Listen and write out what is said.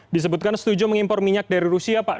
disebutkan setuju mengimpor minyak dari rusia pak